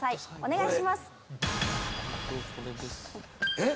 えっ？